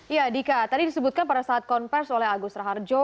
ya dika tadi disebutkan pada saat konversi oleh agus raharjo